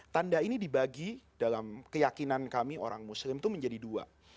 tanda ini dibagi dalam keyakinan kami orang muslim itu menjadi dua